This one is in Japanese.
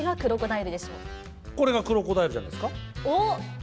これがクロコダイルじゃないおお！